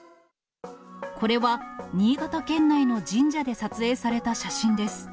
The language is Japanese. これは、新潟県内の神社で撮影された写真です。